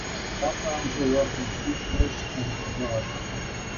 Backgrounds are often featureless and dark.